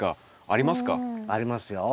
ありますよ。